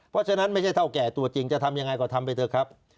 เพราะฉะนั้นไม่ใช่เท่าแก่ตัวจริงจะทำยังไงก็ทำไปเถอะครับ